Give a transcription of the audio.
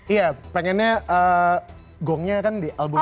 iya pengennya gongnya kan di album